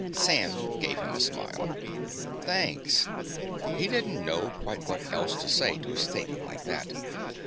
Sam gave him a smile. "Thanks." He didn't know quite what else to say to a statement like that.